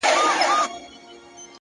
زه خو پاچا نه- خپلو خلگو پر سر ووهلم-